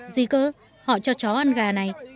gì cơ họ cho chó ăn gà này